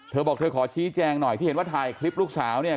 เธอบอกเธอขอชี้แจงหน่อยที่เห็นว่าถ่ายคลิปลูกสาวเนี่ย